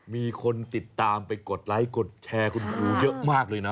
มีคนติดตามไปกดไลค์กดแชร์คุณครูเยอะมากเลยนะ